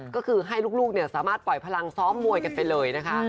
ก็คือให้ลูกสามารถปล่อยพลังซ้อมมวยกันไปเลยนะคะ